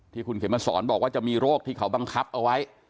ที่คุณเข็มมาสอนบอกว่าจะมีโรคที่เขาบังคับเอาไว้